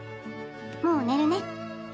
もう寝るね。